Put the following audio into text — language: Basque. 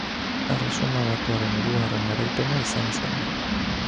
Erresuma Batuaren hirugarren garaipena izan zen.